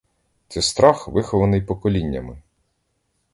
Це страх, вихований поколіннями.